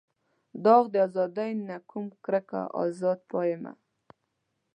داغ د ازادۍ نه کوم کرکه ازاد پایمه.